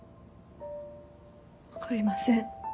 わかりません。